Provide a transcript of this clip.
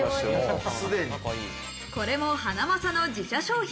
これもハナマサの自社商品。